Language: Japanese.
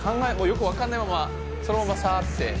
よく分かんないままそのままサって。